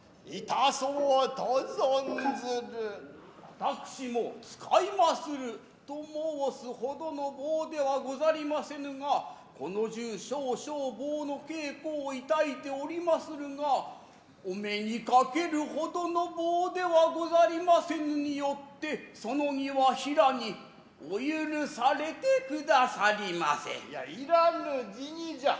私も使いますると申す程の棒ではござりませぬがこの中少々棒の稽古を致いておりまするがお目に掛ける程の棒ではござりませぬによってその儀は平にお許されてくださりませ。イヤいらぬ辞宜じゃ。